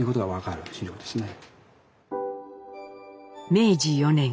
明治４年。